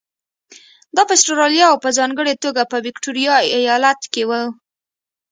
دا په اسټرالیا او په ځانګړې توګه په ویکټوریا ایالت کې وو.